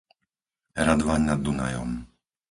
Radvaň nad Dunajom